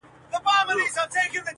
حقيقت څوک نه منل غواړي تل,